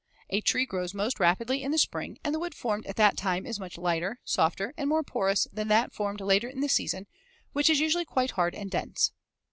A tree grows most rapidly in the spring, and the wood formed at that time is much lighter, softer and more porous than that formed later in the season, which is usually quite hard and dense.